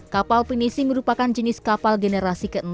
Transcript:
kapal pinisi merupakan jenis kapal generasi ke enam